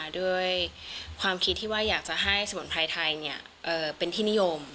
ด้วยความคิดที่ว่าอยากจะให้สมุนไพรไทยเป็นที่นิยม